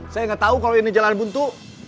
saya gak tau kalau ini jalan buntu